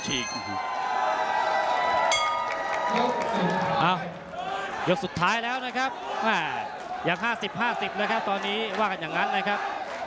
หู้ว่ากันกันนั้นเลยครับ